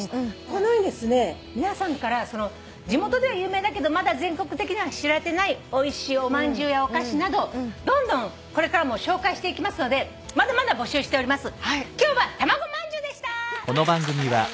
このようにですね皆さんから地元では有名だけどまだ全国的には知られてないおいしいおまんじゅうやお菓子などどんどんこれからも紹介していきますのでまだまだ募集しております。